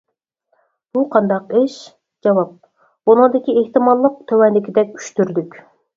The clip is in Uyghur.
بۇ قانداق ئىش؟ جاۋاب: بۇنىڭدىكى ئېھتىماللىق تۆۋەندىكىدەك ئۈچ تۈرلۈك.